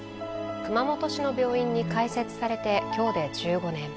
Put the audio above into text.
熊本市の病院に開設されて今日で１５年。